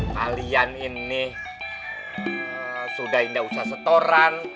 kalian ini sudah enggak usah